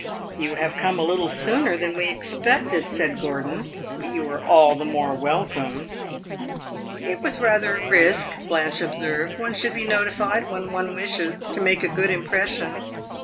"You have come a little sooner than we expected," said Gordon; "but you are all the more welcome." "It was rather a risk," Blanche observed. "One should be notified, when one wishes to make a good impression."